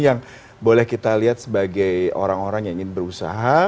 yang boleh kita lihat sebagai orang orang yang ingin berusaha